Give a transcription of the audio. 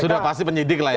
sudah pasti penyidik lah ya